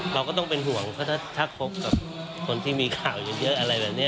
เราก็ต้องเป็นห่วงเพราะถ้าคบกับคนที่มีข่าวเยอะอะไรแบบนี้